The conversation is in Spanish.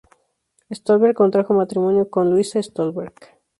Stolberg contrajo matrimonio con Luisa Stolberg.